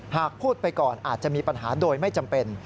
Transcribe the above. หากพูดไปก่อนอาจจะมีปัญหาโดยไม่จำเป็น